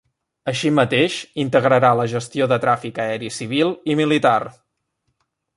Així mateix, integrarà la gestió de tràfic aeri civil i militar.